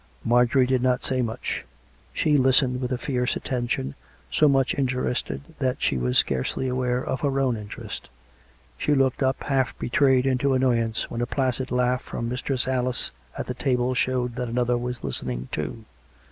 Marjorie did not say much. She listened with a fierce attention, so much interested that she was scarcely aware of her own interest; she looked up, half betrayed into an noyance, when a placid laugli from Mistress Alice at the table showed that another was listening too.